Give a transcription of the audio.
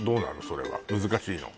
それは難しいの？